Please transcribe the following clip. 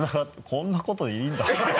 こんなこといいんだ？